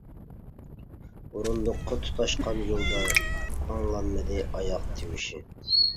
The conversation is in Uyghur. ئورۇندۇققا تۇتاشقان يولدا، ئاڭلانمىدى ئاياق تىۋىشى.